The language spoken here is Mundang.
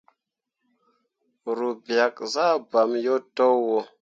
Ru biak zah bamme yo towo.